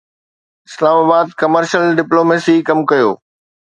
اسلام آباد commercial diplomacy ڪم ڪيو